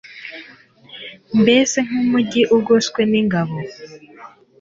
mbese nk'umugi ugoswe n'ingabo